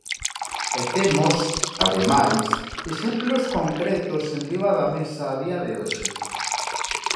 E temos, ademais, exemplos concretos enriba da mesa a día de hoxe.